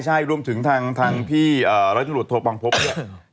ใช่รวมถึงทางพี่ร้อยตำรวจโทปองพบด้วย